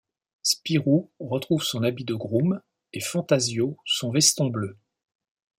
Spirou retrouve son habit de groom, et Fantasio son veston bleu.